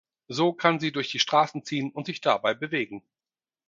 So kann sie durch die Straßen ziehen, und sich dabei bewegen.